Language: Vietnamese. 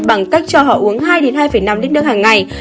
bằng cách cho họ uống hai hai năm lít nước hàng ngày